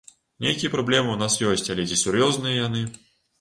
Нейкія праблемы ў нас ёсць, але ці сур'ёзныя яны!